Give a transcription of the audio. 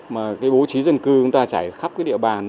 mà cái bố trí dân cư chúng ta trải khắp cái địa bàn